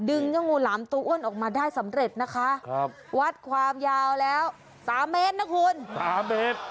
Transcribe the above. อุ๊ยอภัยได้สำเร็จนะคะวัดความยาวแล้วสามเมตรนะคุณสามเมตร